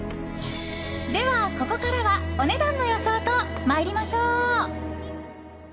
では、ここからはお値段の予想と参りましょう。